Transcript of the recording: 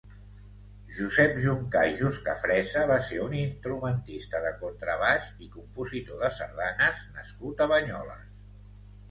Josep Juncà i Juscafresa va ser un instrumentista de contrabaix i compositor de sardanes nascut a Banyoles.